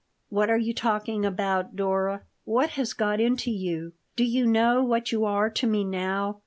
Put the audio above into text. "What are you talking about, Dora? What has got into you? Do you know what you are to me now?"